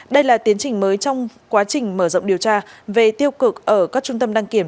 đây là tiến trình mới trong quá trình mở rộng điều tra về tiêu cực ở các trung tâm đăng kiểm